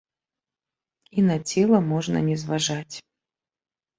І на цела можна не зважаць.